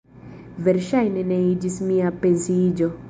Verŝajne ne ĝis mia pensiiĝo.